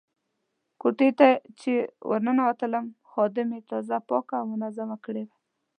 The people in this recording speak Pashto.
کوټې ته چې ورننوتلم خادمې تازه پاکه او منظمه کړې وه.